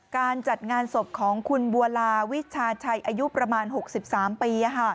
การจัดงานศพของคุณบัวลาวิชาชัยอายุประมาณ๖๓ปี